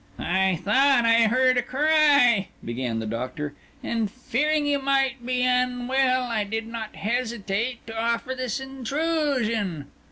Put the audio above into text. "I thought I heard a cry," began the Doctor, "and fearing you might be unwell I did not hesitate to offer this intrusion."